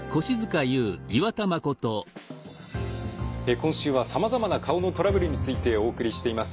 今週はさまざまな顔のトラブルについてお送りしています。